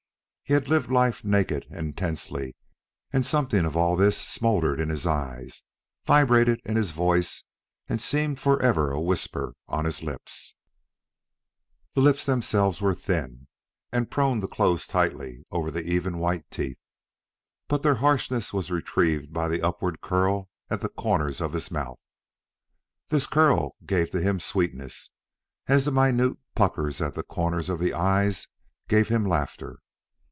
He had lived life naked and tensely, and something of all this smouldered in his eyes, vibrated in his voice, and seemed forever a whisper on his lips. The lips themselves were thin, and prone to close tightly over the even, white teeth. But their harshness was retrieved by the upward curl at the corners of his mouth. This curl gave to him sweetness, as the minute puckers at the corners of the eyes gave him laughter.